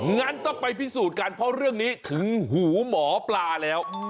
งั้นต้องไปพิสูจน์กันเพราะเรื่องนี้ถึงหูหมอปลาแล้ว